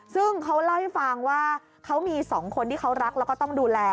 ซึ่งเขาเล่าให้ฟังว่าเขามี๒คนที่เขารักแล้วก็ต้องดูแล